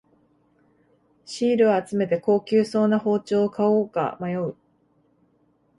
シールを集めて高級そうな包丁を買おうか迷う